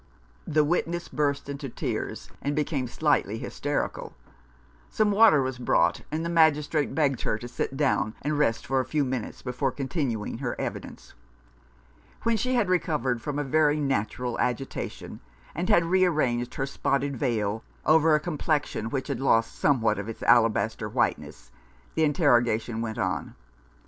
The witness burst into tears, and became slightly hysterical. Some water was brought, and the Magistrate begged her to sit down and rest for a few minutes before continuing her evidence. When she had recovered from a very natural agitation, and had rearranged her spotted veil over a complexion which had lost somewhat of its alabaster whiteness, the interrogation went on.